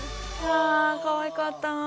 あかわいかった。